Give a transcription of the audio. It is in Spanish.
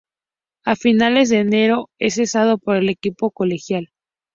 A finales de enero, es cesado por el equipo colegial.